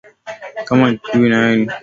kama kikuyu nayo yalichangia uwepo wa misitu